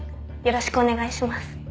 よろしくお願いします。